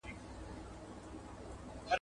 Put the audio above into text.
زه به واښه راوړلي وي،